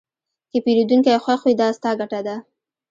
که پیرودونکی خوښ وي، دا ستا ګټه ده.